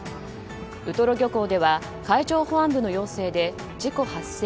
ウトロ漁港では海上保安部の要請で事故発生